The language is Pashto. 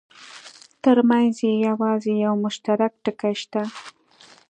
ترمنځ یې یوازې یو مشترک ټکی شته.